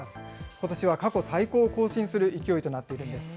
ことしは過去最高を更新する勢いとなっているんです。